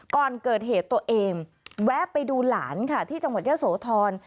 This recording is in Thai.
ก่อนเกิดเหตุตัวเองแวะไปดูหลานค่ะที่จังหวัดเยอะโสธร